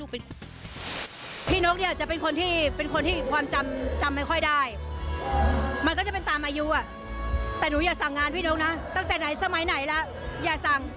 พี่นกจะเป็นคนที่เป็นคนที่ความจำไม่ค่อยได้มันก็จะเป็นตามอายุแต่หนูอย่าสั่งงานพี่นกนะตั้งแต่สมัยไหนละอย่าสั่ง